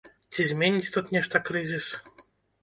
Ці зменіць тут нешта крызіс?